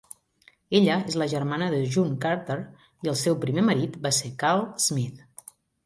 Ella és la germana de June Carter i el seu primer marit va ser Carl Smith.